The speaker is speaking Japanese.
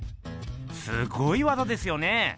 すごい技ですよね。